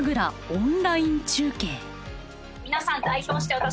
オンライン中継。